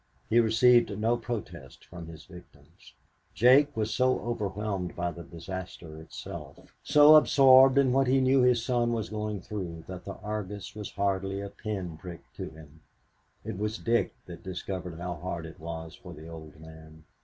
He received no protest from his victims. Jake was so overwhelmed by the disaster itself, so absorbed in what he knew his son was going through, that the Argus was hardly a pin prick to him. It was Dick that discovered how hard it was for the old man.